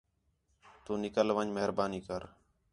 تُو نِکل ون٘ڄ مہربانی کر